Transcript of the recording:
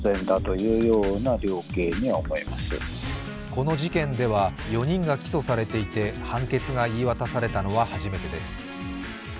この事件では４人が起訴されていて判決が言い渡されたのは初めてです。